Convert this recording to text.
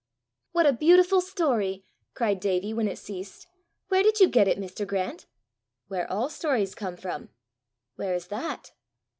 "What a beautiful story!" cried Davie when it ceased. "Where did you get it, Mr. Grant?" "Where all stories come from." "Where is that?"